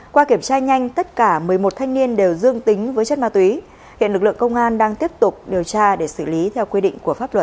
qua kiểm tra nhanh tất cả một mươi một thanh niên đều dương tính với chất ma túy hiện lực lượng công an đang tiếp tục điều tra để xử lý theo quy định của pháp luật